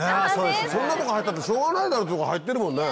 そんなとこ入ったってしょうがないだろってとこ入ってるもんね。